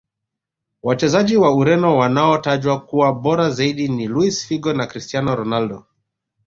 Wachezaji wa ureno wanaotajwa kuwa bora zaidi ni luis figo na cristiano ronaldo